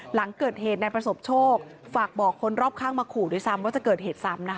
หลังเกิดเหตุนายประสบโชคฝากบอกคนรอบข้างมาขู่ด้วยซ้ำว่าจะเกิดเหตุซ้ำนะคะ